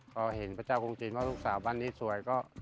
พอเห็นพระเจ้ากรุงจีนว่าลูกสาวบ้านนี้สวยก็